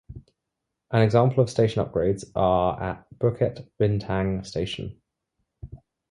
An example of station upgrades are at Bukit Bintang station.